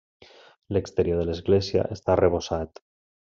L'exterior de l'església està arrebossat.